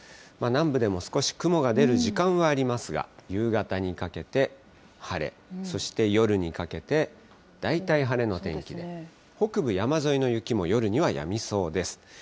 南部でも少し雲が出る時間はありますが、夕方にかけて、晴れ、そして夜にかけて大体晴れの天気で、北部山沿いの雪も夜にはやみそうです。